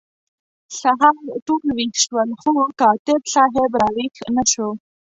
سهار ټول ویښ شول خو کاتب صاحب را ویښ نه شو.